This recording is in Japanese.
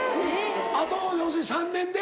あと要するに３年で？